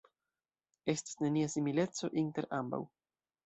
Estas nenia simileco inter ambaŭ.